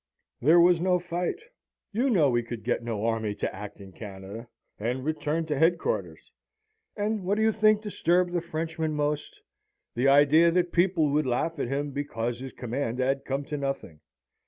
There was no fight, you know we could get no army to act in Canada, and returned to headquarters; and what do you think disturbed the Frenchman most? The idea that people would laugh at him, because his command had come to nothing.